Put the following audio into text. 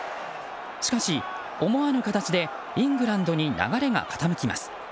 しかし思わぬ形でイングランドに流れが傾きます。